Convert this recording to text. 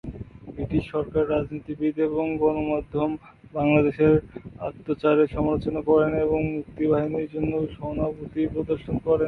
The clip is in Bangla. ব্রিটিশ সরকার, রাজনীতিবিদ এবং গণমাধ্যম বাংলাদেশে অত্যাচারের সমালোচনা করে এবং মুক্তি বাহিনীর জন্য সহানুভূতি প্রদর্শন করে।